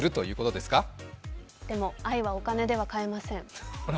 でも愛はお金では買えません。